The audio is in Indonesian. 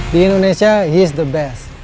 di indonesia dia adalah orang terbaik